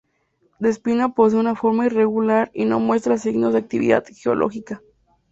Despina posee una forma irregular y no muestra signos de actividad geológica.